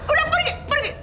udah pergi pergi